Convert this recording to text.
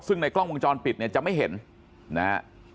ซึ่งในกล้องวงจรปิดเนี่ยจะไม่เห็นนะฮะ